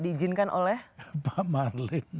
diizinkan oleh pak marling